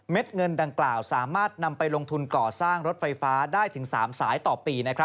เงินดังกล่าวสามารถนำไปลงทุนก่อสร้างรถไฟฟ้าได้ถึง๓สายต่อปี